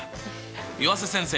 湯浅先生